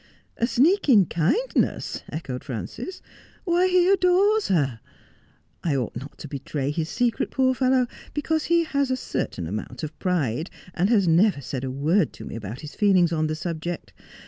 'A sneaking kindness,' echoed Frances ; 'why, he adores her. I ought not to betray his secret, poor fellow ; because he has a certain amount of pride, and has never said a word to me about his feelings on the subject.